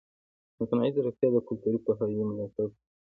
مصنوعي ځیرکتیا د کلتوري پوهاوي ملاتړ کوي.